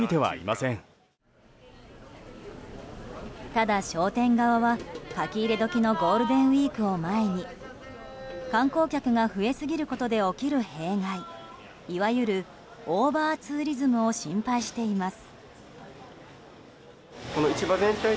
ただ、商店側は書き入れ時のゴールデンウィークを前に観光客が増えすぎることで起きる弊害いわゆるオーバーツーリズムを心配しています。